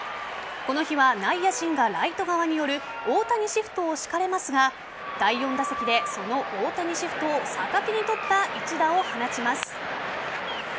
この日は内野陣がライト側に寄る大谷シフトを敷かれますが第４打席で、その大谷シフトを逆手に取った一打を放ちます。